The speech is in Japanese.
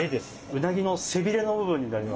うなぎの背びれの部分になります。